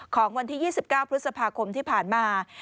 ของวันที่๒๙พฤษภาคมที่ผ่านมา